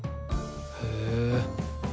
へえ。